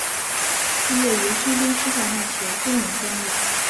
毕业于山东师范大学中文专业。